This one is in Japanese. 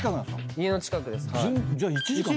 家の近くです。